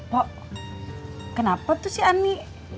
pok kenapa tuh si ani